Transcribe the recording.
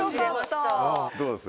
どうです？